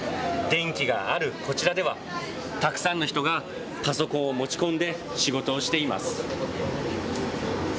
電気があるこちらではたくさんの人がパソコンを持ち込んで仕事をしています。